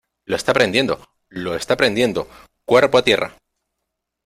¡ Lo esta prendiendo! ¡ lo esta prendiendo !¡ cuerpo a tierra !